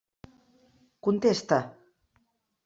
Contesta!